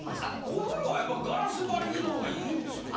お風呂はガラス張りのほうがいいんですか？